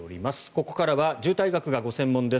ここからは渋滞学がご専門です